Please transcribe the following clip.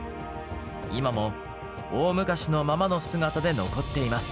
今も大昔のままの姿で残っています。